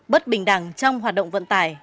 bất bình đẳng trong hoạt động vận tải